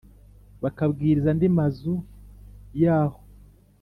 bakabwiriza andi mazu yahoo